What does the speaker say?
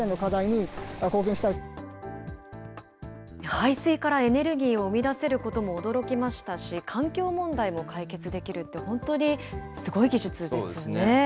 排水からエネルギーを生み出せることも驚きましたし、環境問題も解決できるって、本当にすごい技術ですよね。